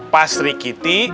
pak sri kiti